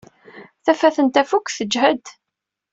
Tafat n tafukt tejhed.